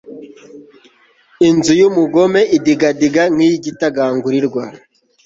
inzu y'umugome idigadiga nk'iy'igitagangurirwa